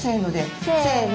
せの。